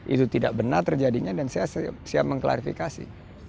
itu tidak benar terjadinya dan saya siap mengklarifikasi